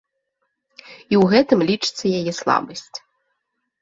І ў гэтым, лічыцца, яе слабасць.